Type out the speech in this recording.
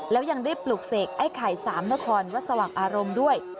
แล้วยังได้ปลูกเสกไอ้ไข่สามนครวัดสว่างอารมณ์ด้วย